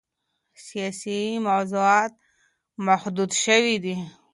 سیاسي موضوعات محدود شوي دي.